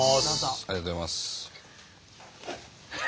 ありがとうございます。